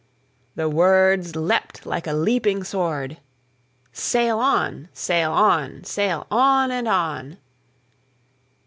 The words leapt like a leaping sword:"Sail on! sail on! sail on! and on!"